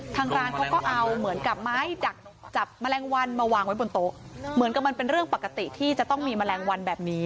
ทางร้านเขาก็เอาเหมือนกับไม้ดักจับแมลงวันมาวางไว้บนโต๊ะเหมือนกับมันเป็นเรื่องปกติที่จะต้องมีแมลงวันแบบนี้